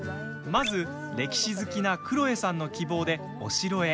まず、歴史好きなくろえさんの希望でお城へ。